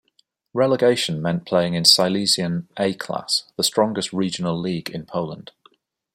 Relegation meant playing in Silesian A-Class, the strongest regional league in Poland.